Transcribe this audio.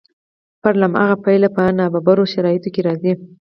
فرد له هماغه پیله په نابرابرو شرایطو کې راځي.